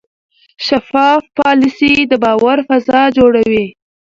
شفاف پالیسي د باور فضا جوړوي.